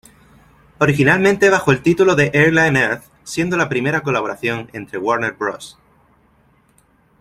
Originalmente bajo el título de "Airline Earth", siendo la primera colaboración entre Warner Bros.